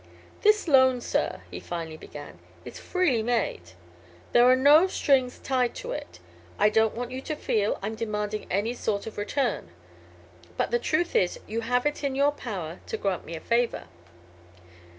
"This loan, sir," he finally began, "is freely made. There are no strings tied to it. I don't want you to feel I'm demanding any sort of return. But the truth is, you have it in your power to grant me a favor."